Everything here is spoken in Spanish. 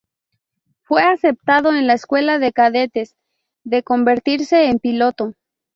Fue aceptado en la Escuela de Cadetes de convertirse en piloto.